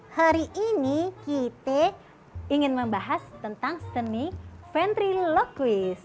hari ini kita ingin membahas tentang seni ventriloquist